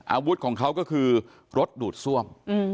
อาวุธของเขาก็คือรถดูดซ่วม